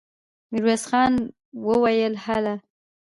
ميرويس خان وويل: هلئ!